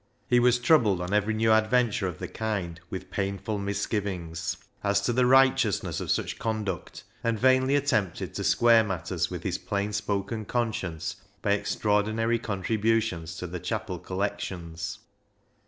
He was troubled on every new adventure of the kind with painful misgivings 324 BECKSIDE LIGHTS as to the righteousness of such conduct, and vainly attempted to square matters with his plain spoken conscience by extraordinary con tributions to the chapel collections.